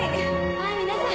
はい皆さん。